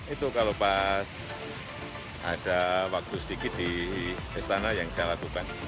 itu kalau pas ada waktu sedikit di istana yang saya lakukan